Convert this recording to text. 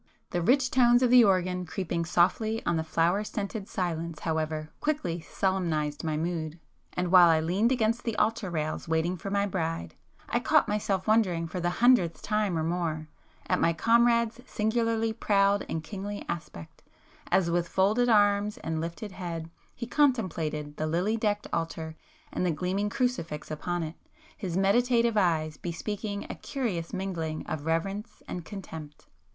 The rich tones of the organ creeping softly on the flower scented silence however, quickly solemnized my mood,—and while I leaned against the altar rails waiting for my bride, I caught myself wondering for the hundredth time or more, at my comrade's singularly proud and kingly aspect, as with folded arms and lifted head, he contemplated the lily decked altar and the gleaming crucifix upon it, his meditative eyes bespeaking a curious mingling of reverence and contempt.